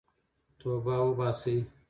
توبه وباسئ.